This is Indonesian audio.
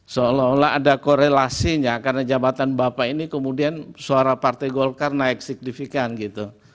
seolah olah ada korelasinya karena jabatan bapak ini kemudian suara partai golkar naik signifikan gitu